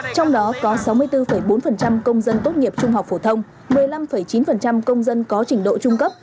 trong đó có sáu mươi bốn bốn công dân tốt nghiệp trung học phổ thông một mươi năm chín công dân có trình độ trung cấp